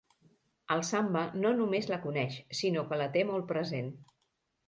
El Samba no només la coneix, sinó que la té molt present.